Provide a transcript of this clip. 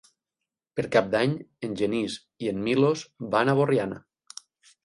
Per Cap d'Any en Genís i en Milos van a Borriana.